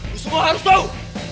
lu semua harus tahu